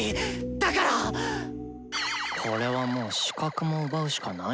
だからこれはもう視覚も奪うしかないなぁ。